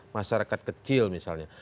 masyarakat kecil misalnya